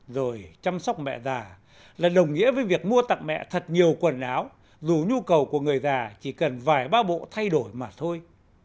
rồi chăm sóc mẹ già là đồng nghĩa với việc mua tặng mẹ thật nhiều quần áo dù nhu cầu của người già chỉ cần vài ba bộ thay đổi mà thôi